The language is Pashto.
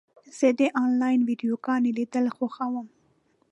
زه د انلاین ویډیوګانو لیدل خوښوم.